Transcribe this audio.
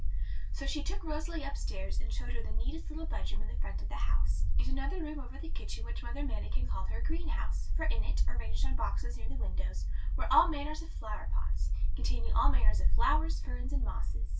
So she took Rosalie upstairs, and showed her the neatest little bedroom in the front of the house, and another room over the kitchen which Mother Manikin called her greenhouse, for in it, arranged on boxes near the window, were all manner of flowerpots, containing all manner of flowers, ferns, and mosses.